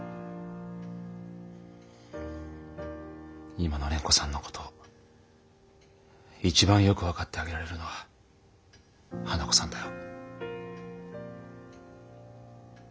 今の蓮子さんの事一番よく分かってあげられるのは花子さんだよ。